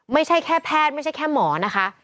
ไม่ใช่แค่แพทย์ไม่ใช่แค่หมอนะคะ